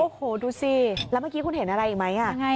โอ้โหดูสิแล้วเมื่อกี้คุณเห็นอะไรอีกไหม